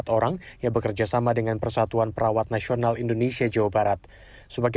empat orang yang bekerja sama dengan persatuan perawat nasional indonesia jawa barat sebagai